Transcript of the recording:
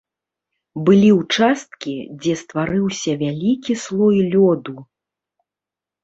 Былі ўчасткі, дзе стварыўся вялікі слой лёду.